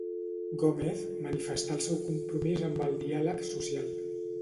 Gómez manifestà el seu compromís amb el diàleg social.